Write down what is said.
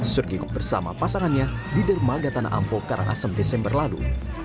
surge bersama pasangannya di dermaga tanah ampo karangasem desember lalu